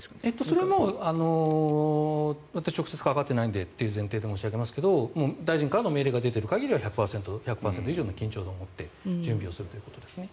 それは私は直接関わっていないという前提で申し上げますと大臣からの命令が出ている限りは１００％以上の緊張度を持って準備をするということですね。